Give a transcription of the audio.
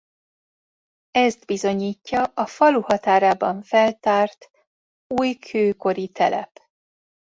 Ezt bizonyítja a falu határában feltárt újkőkori telep.